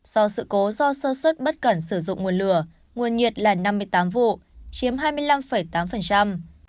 do sự cố do sơ xuất bất cẩn sử dụng nguồn lửa nguồn nhiệt là năm mươi tám vụ chiếm hai mươi năm tám